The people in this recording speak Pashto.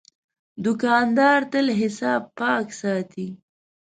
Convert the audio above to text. دوکاندار تل حساب پاک ساتي.